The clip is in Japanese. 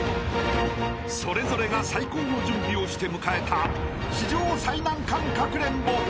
［それぞれが最高の準備をして迎えた史上最難関かくれんぼ］